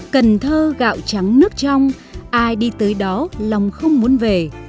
cần thơ gạo trắng nước trong ai đi tới đó lòng không muốn về